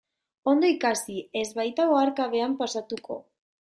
Ondo ikasi, ez baita oharkabean pasatuko.